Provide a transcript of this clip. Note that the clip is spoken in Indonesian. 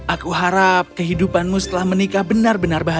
aku harap kehidupanmu setelah menikah benar benar bahagia